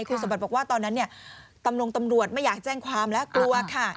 คุณสมบัติบอกว่าตอนนั้นเนี่ยตำรงตำรวจไม่อยากแจ้งความแล้วกลัวค่ะ